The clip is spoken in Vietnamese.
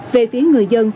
về phía người dân